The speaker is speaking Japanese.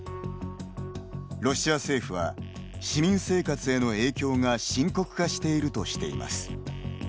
ロシア政府は市民生活への影響が深刻化しているとしています。